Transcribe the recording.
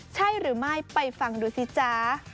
ใช่หรือไม่ไปฟังดูสิจ๊ะ